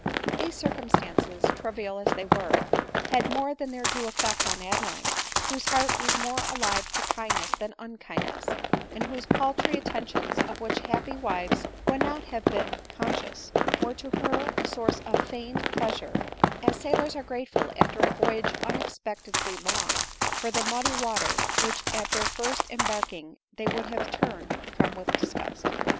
These circumstances, trivial as they were, had more than their due effect on Adeline, whose heart was more alive to kindness than unkindness ; and those paltry at tentions of which happy wives would not have been conscious, were to her a source of unfeigned pleasure — as sailors are grateful, after a voyage unexpectedly long, for the muddy water which at their first embarking they would have turned from with disgust.